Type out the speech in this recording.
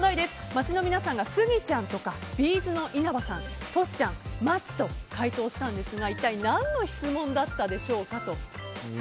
街の皆さんがスギちゃんとかＢ’ｚの稲葉さんトシちゃん、マッチと回答したんですが一体何の質問だったでしょうかと。